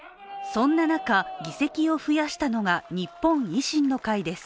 そんな中、議席を増やしたのが日本維新の会です。